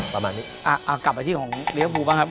กลับมาที่ของลิฟฟูบ้างครับ